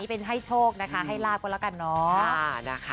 เป็นให้โชคนะคะให้ลาบก็แล้วกันเนาะ